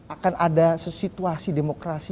akan ada situasi demokrasi